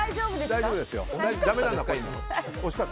大丈夫ですか？